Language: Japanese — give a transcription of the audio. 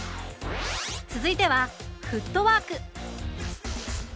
続いてはフットワーク！